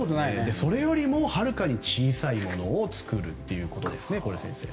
それよりもはるかに小さいものを作るということですね。